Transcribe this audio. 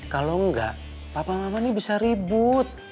kalau enggak papa mama ini bisa ribut